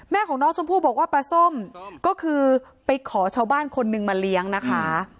ของน้องชมพู่บอกว่าปลาส้มก็คือไปขอชาวบ้านคนนึงมาเลี้ยงนะคะ